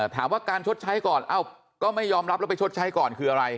ถามว่าการชดใช้ก่อนเอ้าก็ไม่ยอมรับแล้วไปชดใช้ก่อนคืออะไร